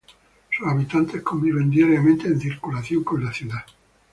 Sus habitantes conviven diariamente en circulación con la ciudad.